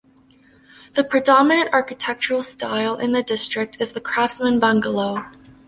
The predominant architectural style in the district is the Craftsman bungalow.